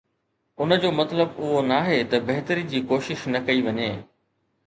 ان جو مطلب اهو ناهي ته بهتري جي ڪوشش نه ڪئي وڃي.